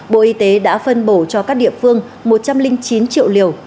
bộ y tế đã phân bổ cho các địa phương một trăm linh chín triệu liều